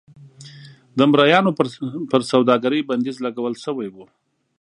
د مریانو پر سوداګرۍ بندیز لګول شوی و.